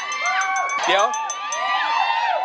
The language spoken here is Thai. ครับมีแฟนเขาเรียกร้อง